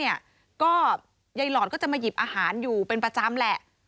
ยายก็ยายหลอดก็จะมาหยิบอาหารอยู่เป็นประจำแหละ